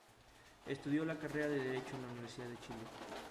Estudió la carrera de derecho en la Universidad de Chile.